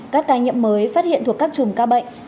các ca nhiễm mới phát hiện thuộc các chùm ca bệnh